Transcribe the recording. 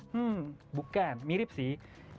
hmm bukan mirip sih